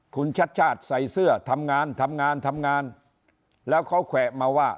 คุณชัดชาติใส่เสื้อทำงานทำงานทำงานทำงานแล้วเขาแขวะมาว่า